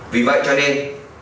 vì vậy cho nên